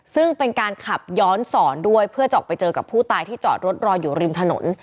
ซึ่งเป็นการขับย้อนสอนด้วยเพื่อจะออกไปเจอกับผู้ตายที่จอดรถรออยู่ริมถนน